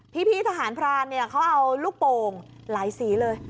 พี่ทหารพรานเนี่ยเขาเอาลูกโป่งหลายสีเลย